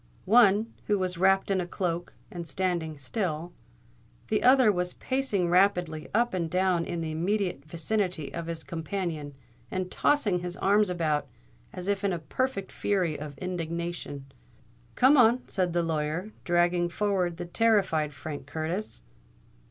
One, who was wrapped in a cloak, was standing still; the other was pacing rapidly up and down in the immediate vicinity of his companion, and tossing his arms about as if in a perfect fury of indignation. "Come on," said the lawyer, dragging forward the terrified Frank Curtis.